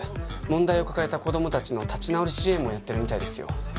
問題を抱えた子供達の立ち直り支援もやってるみたいですよ